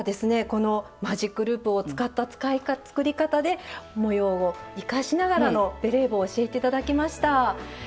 このマジックループを使った作り方で模様を生かしながらのベレー帽を教えて頂きました。